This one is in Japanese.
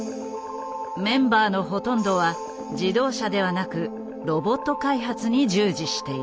メンバーのほとんどは自動車ではなくロボット開発に従事している。